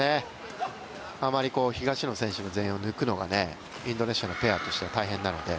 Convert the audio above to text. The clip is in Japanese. あまり東野選手の前衛を抜くのがインドネシアのペアとしては大変なので。